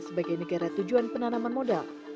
sebagai negara tujuan penanaman modal